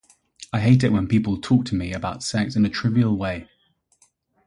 I hate it when people talk to me about sex in a trivial way.